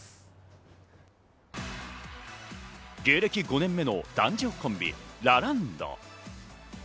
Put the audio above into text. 芸歴５年目の男女コンビ・ラランド。